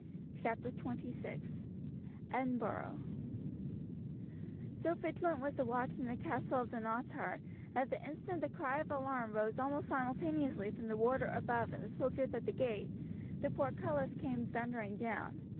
Chapter XXVI Edinburgh So vigilant was the watch in the castle of Dunottar that the instant the cry of alarm rose almost simultaneously from the warder above and the soldiers at the gate, the portcullis came thundering down.